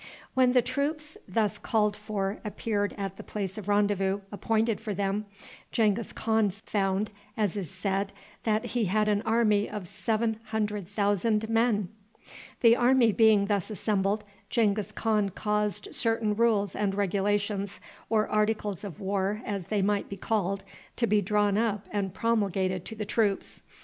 When the troops thus called for appeared at the place of rendezvous appointed for them, Genghis Khan found, as is said, that he had an army of seven hundred thousand men! The army being thus assembled, Genghis Khan caused certain rules and regulations, or articles of war, as they might be called, to be drawn up and promulgated to the troops.